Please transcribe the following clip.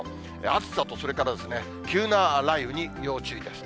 暑さとそれからですね、急な雷雨に要注意です。